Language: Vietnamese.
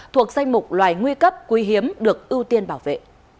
thuộc danh mục loài nguy cấp quý hiếm được ưu tiên bảo vệ